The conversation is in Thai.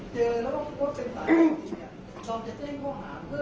แต่ว่าไม่มีปรากฏว่าถ้าเกิดคนให้ยาที่๓๑